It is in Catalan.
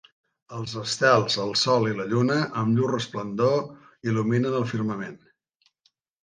Els estels, el sol i la lluna, amb llur resplendor, il·luminen el firmament.